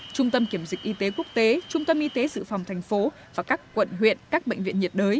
trung tâm kiểm dịch y tế quốc tế trung tâm y tế sự phòng thành phố và các quận huyện các bệnh viện nhiệt đới